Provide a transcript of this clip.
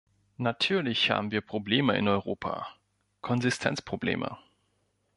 Natürlich haben wir Probleme in Europa, Konsistenzprobleme.